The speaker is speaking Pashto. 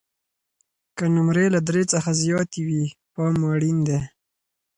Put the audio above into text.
که نمرې له درې څخه زیاتې وي، پام مو اړین دی.